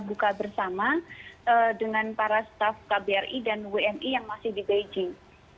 buka bersama dengan para staff kbri dan wni yang masih di beijing